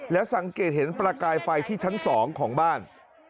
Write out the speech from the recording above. แล้วสังเกตเห็นประกายไฟที่ชั้น๒ของบ้าน